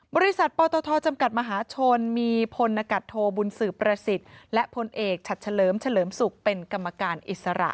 บริษัทปตทจำกัดมหาชนมีพลนกัดโทบุญสืบประสิทธิ์และพลเอกฉัดเฉลิมเฉลิมศุกร์เป็นกรรมการอิสระ